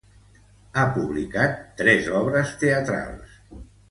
Ha publicat tres obres teatrals.